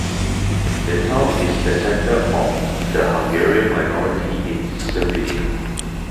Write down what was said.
The town is the centre of the Hungarian minority in Slovenia.